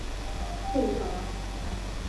此时医院设备人员匮乏。